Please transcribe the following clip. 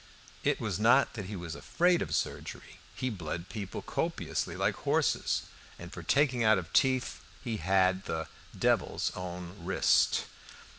It was not that he was afraid of surgery; he bled people copiously like horses, and for the taking out of teeth he had the "devil's own wrist."